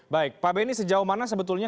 baik pak benny sejauh mana sebetulnya